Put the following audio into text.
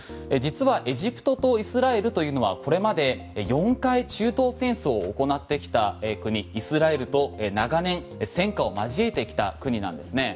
エジプトとイスラエルというのはこれまで４回中東戦争を行ってきた国イスラエルと長年戦火を交えてきた国なんですね。